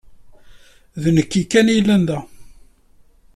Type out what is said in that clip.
D nekk kan ay yellan da.